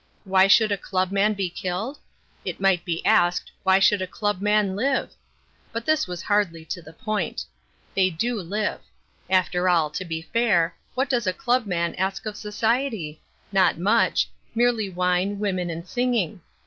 Why should a club man be killed? It might be asked, why should a club man live? But this was hardly to the point. They do live. After all, to be fair, what does a club man ask of society? Not much. Merely wine, women and singing.